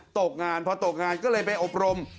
ตกงานพอตกงานก็เลยไปอบรม